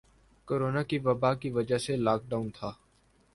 corona کی وبا کی وجہ سے لاک ڈاؤن تھا